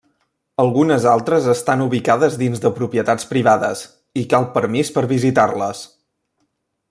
Algunes altres estan ubicades dins de propietats privades i cal permís per visitar-les.